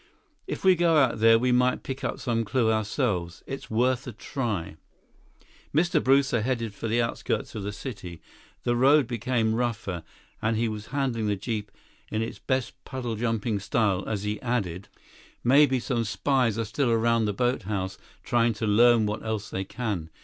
If we go out there, we might pick up some clue ourselves. It's worth a try." Mr. Brewster headed for the outskirts of the city. The road became rougher, and he was handling the jeep in its best puddle jumping style as he added: "Maybe some spies are still around the boathouse, trying to learn what else they can.